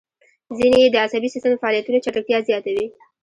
ځینې یې د عصبي سیستم د فعالیتونو چټکتیا زیاتوي.